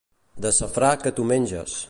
De safrà que t'ho menges!